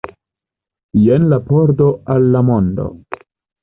Jen la pordo al la mondo.